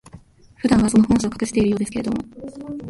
普段は、その本性を隠しているようですけれども、